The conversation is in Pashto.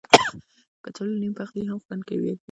کچالو له نیم پخلي هم خوند ورکوي